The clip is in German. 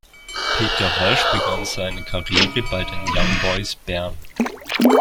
Peter Rösch begann seine Karriere bei den Young Boys Bern.